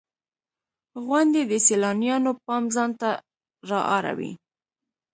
• غونډۍ د سیلانیانو پام ځان ته را اړوي.